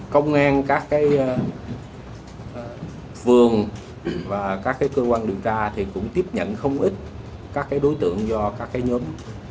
công an các cái vườn và các cái cơ quan điều tra thì cũng tiếp nhận không ít các cái đối tượng do các cái nhóm